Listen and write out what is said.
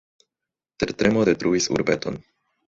Tertremo detruis urbeton.